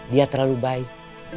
dia terlalu baik